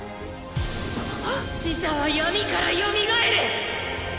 ユウオウ：死者は闇からよみがえる！